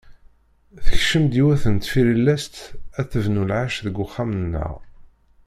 Tekcem-d yiwet n tfirellest ad tebnu lɛecc deg uxxam-nneɣ.